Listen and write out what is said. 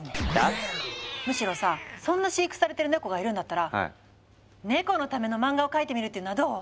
むしろさそんな飼育されてるネコがいるんだったらネコのための漫画を描いてみるっていうのはどう？